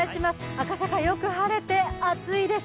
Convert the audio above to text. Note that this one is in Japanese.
赤坂、よく晴れて暑いです。